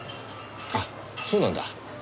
あっそうなんだ。